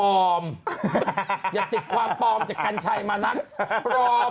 ตรงนั้นคุณปลอมอย่าติดความปลอมจากกัญชัยมานักปลอม